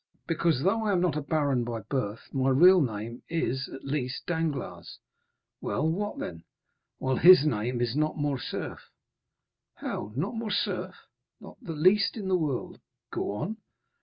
"Because, though I am not a baron by birth, my real name is, at least, Danglars." "Well, what then?" "While his name is not Morcerf." "How?—not Morcerf?" "Not the least in the world." "Go on."